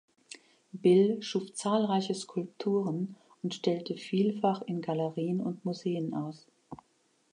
Bill schuf zahlreiche Skulpturen und stellte vielfach in Galerien und Museen aus.